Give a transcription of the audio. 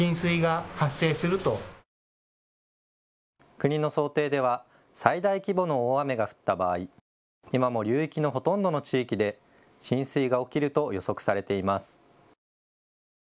国の想定では最大規模の大雨が降った場合、今も流域のほとんどの地域で浸水が起きると予測されています。